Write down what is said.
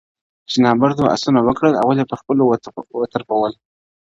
¬ چي نامردو اسونه وکړل، اول ئې پر خپلو وترپول.